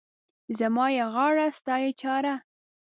زما يې غاړه، ستا يې چاړه.